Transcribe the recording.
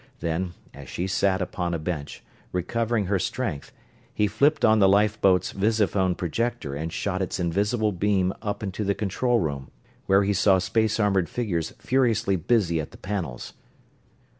Then, as she sat upon a bench, recovering her strength, he flipped on the lifeboat's visiphone projector and shot its invisible beam up into the control room, where he saw space armored figures furiously busy at the panels.